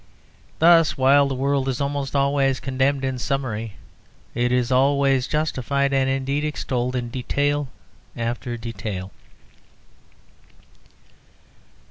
Thus, while the world is almost always condemned in summary, it is always justified, and indeed extolled, in detail after detail.